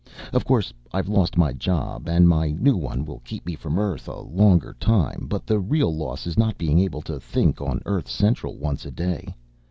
Of course, I've lost my job and my new one will keep me from Earth a longer time but the real loss is not being able to think on Earth Central once a day.